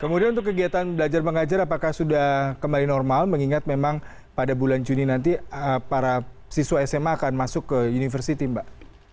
kemudian untuk kegiatan belajar mengajar apakah sudah kembali normal mengingat memang pada bulan juni nanti para siswa sma akan masuk ke university mbak